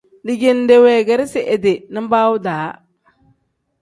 Dijinde weegeresi idi nibaawu-daa.